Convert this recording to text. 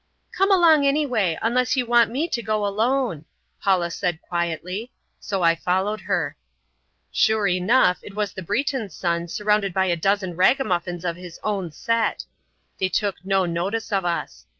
"Come along anyway, unless you want me to go alone," Paula said quietly. So I followed her. Sure enough, it was the Breton's son surrounded by a dozen ragamuffins of his own set. They took no notice of us.